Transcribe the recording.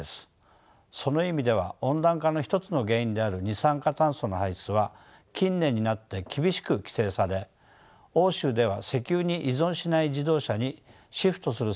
その意味では温暖化の一つの原因である二酸化炭素の排出は近年になって厳しく規制され欧州では石油に依存しない自動車にシフトする政策が進められております。